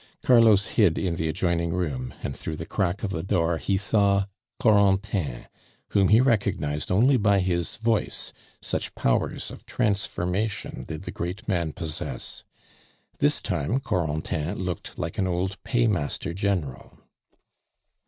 Carlos hid in the adjoining room, and through the crack of the door he saw Corentin, whom he recognized only by his voice, such powers of transformation did the great man possess. This time Corentin looked like an old paymaster general.